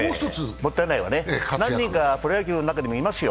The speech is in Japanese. もったいないわね、何人かプロ野球の中にもいますよ。